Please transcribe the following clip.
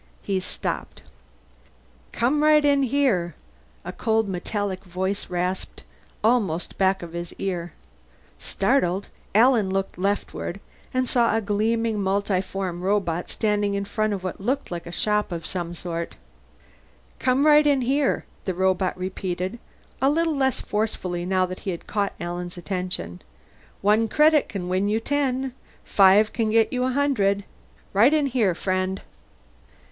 He stopped. "Come right in here!" a cold metallic voice rasped, almost back of his ear. Startled, Alan looked leftward and saw a gleaming multiform robot standing in front of what looked like a shop of some sort. "Come right in here!" the robot repeated, a little less forcefully now that it had caught Alan's attention. "One credit can win you ten; five can get you a hundred. Right in here, friend."